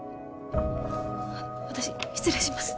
あっ私失礼します。